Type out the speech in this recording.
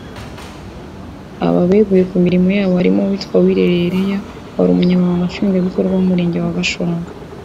Aba beguye ku mirimo yabo harimo uwitwa Uwirereye Lea wari Umunyamabanga Nshingwabikorwa w’Umurenge wa Gashonga